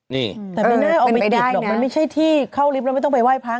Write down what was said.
นี่เป็นไปได้นะไม่ใช่ที่เข้าลิปเราไม่ต้องไปไหว้พระไง